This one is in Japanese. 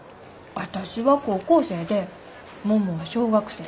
私は高校生で桃は小学生。